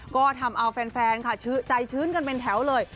ก็ทำเอาแฟนค่ะใจชื้นกันเป็นแถวเลย